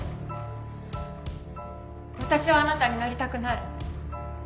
私はあなたになりたくない。